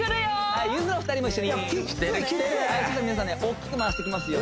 はい大きく回してきますよ